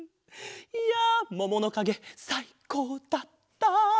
いやもものかげさいこうだった！